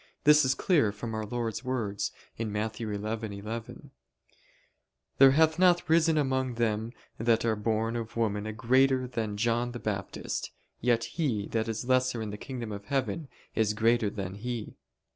This is clear from Our Lord's words (Matt. 11:11): "There hath not risen among them that are born of woman a greater than John the Baptist; yet he that is lesser in the kingdom of heaven is greater than he."